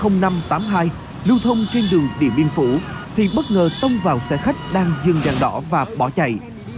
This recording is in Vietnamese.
năm năm trăm tám mươi hai lưu thông trên đường điện biên phủ thì bất ngờ tông vào xe khách đang dừng đàn đỏ và bỏ chạy